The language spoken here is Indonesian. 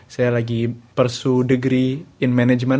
saya lagi persu degree in management